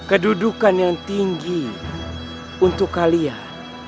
kedudukan yang tinggi untuk kalian